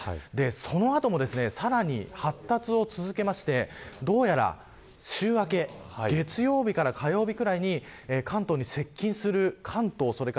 その後、さらに発達を続けてどうやら週明け月曜日から火曜日くらいに関東に接近する。